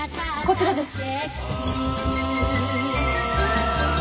こちらです。